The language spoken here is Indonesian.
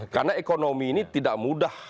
karena ekonomi ini tidak mudah